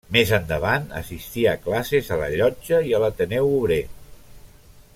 Més endavant, assistí a classes a Llotja i a l’Ateneu Obrer.